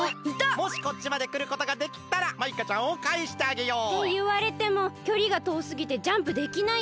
もしこっちまでくることができたらマイカちゃんをかえしてあげよう。っていわれてもきょりがとおすぎてジャンプできないよね？